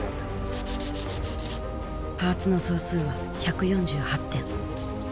パーツの総数は１４８点。